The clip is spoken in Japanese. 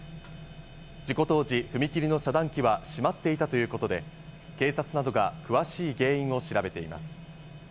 事故当時、踏切の遮断機は閉まっていたということで、警察などが詳しい原因を調べています。